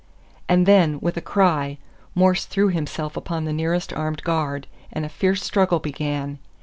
And then, with a cry, Morse threw himself upon the nearest armed guard, and a fierce struggle began.